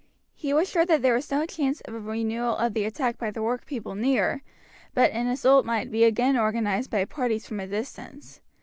He was sure that there was no chance of a renewal of the attack by the workpeople near, but an assault might be again organized by parties from a distance.